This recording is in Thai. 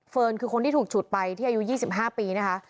คือคนที่ถูกฉุดไปที่อายุ๒๕ปีนะคะ